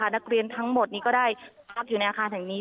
นักเรียนทั้งหมดนี้ก็ได้รับอยู่ในอาคารแห่งนี้